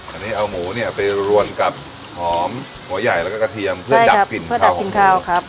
อันนี้เอาหมูเนี่ยไปรวนกับหอมหัวใหญ่แล้วก็กระเทียมเพื่อดับกลิ่นข้าวหอมกลิ่นข้าวครับ